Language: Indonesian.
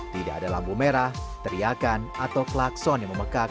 tidak ada lampu merah teriakan atau klakson yang memekak